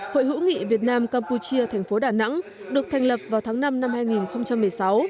hội hữu nghị việt nam campuchia thành phố đà nẵng được thành lập vào tháng năm năm hai nghìn một mươi sáu